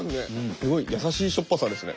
すごい優しいしょっぱさですね。